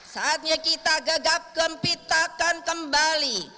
saatnya kita gegap gempitakan kembali